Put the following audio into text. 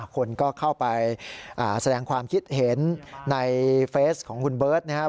คนก็เข้าไปแสดงความคิดเห็นในเฟสของคุณเบิร์ตนะครับ